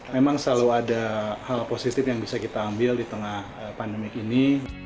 memang selalu ada hal positif yang bisa kita ambil di tengah pandemi ini